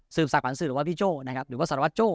สืบสระขวัญสืบหรือว่าพี่โจ้หรือว่าสระวัตโจ้